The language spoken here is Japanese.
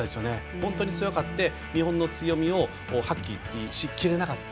本当に強くて日本の強みを発揮しきれなかった。